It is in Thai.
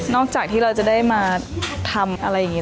จากที่เราจะได้มาทำอะไรอย่างนี้